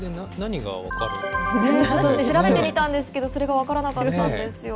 ちょっと調べてみたんですけど、それが分からなかったんですよ。